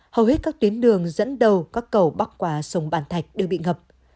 hầu hết các tuyến đường dẫn đầu các cầu bắc qua sông bản thạch đều bị ngập